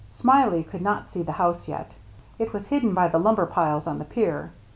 Smiley could not see the house yet ; it was hidden by the lumber piles on the pier.